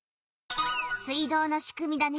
水道のしくみだね。